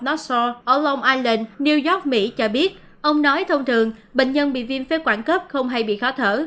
martsorn new york mỹ cho biết ông nói thông thường bệnh nhân bị viêm phế quản cấp không hay bị khó thở